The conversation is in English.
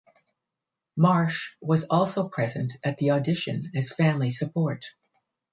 Marsh was also present at the audition as family support.